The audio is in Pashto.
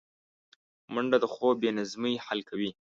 منډه د خوب بې نظمۍ حل کوي